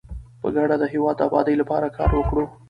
په ګډه د هیواد د ابادۍ لپاره کار وکړو.